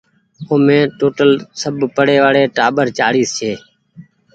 اومي سب ٽوٽل پڙي وآڙي ٽآٻر چآڙيس ڇي۔